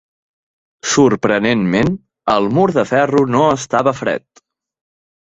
Sorprenentment, el mur de ferro no estava fred.